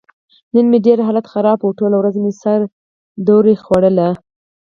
نن مې ډېر حالت خراب و. ټوله ورځ مې سره دوره خوړله.